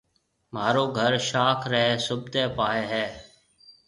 مهارو گهر شاخ ريَ سوڀتي پاهيََ هيَ۔